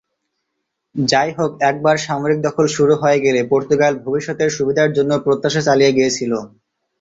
যাইহোক, একবার সামরিক দখল শুরু হয়ে গেলে পর্তুগাল ভবিষ্যতের সুবিধার জন্য প্রত্যাশা চালিয়ে গিয়েছিল।